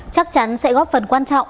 chắc chắn sẽ góp phần quan trọng